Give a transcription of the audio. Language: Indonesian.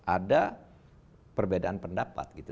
ada perbedaan pendapat